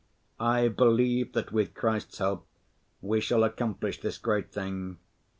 I believe that with Christ's help we shall accomplish this great thing.